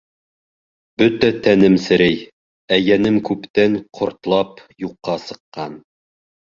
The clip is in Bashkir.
Бөтә тәнем серей, ә йәнем күптән ҡортлап, юҡҡа сыҡҡан.